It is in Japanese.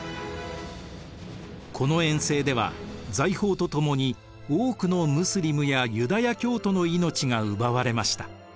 この遠征では財宝とともに多くのムスリムやユダヤ教徒の命が奪われました。